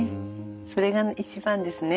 それが一番ですね。